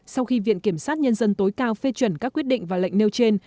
sau khi viện kiểm sát nhân dân tối cao phê chuẩn các quyết định và lệnh nêu trên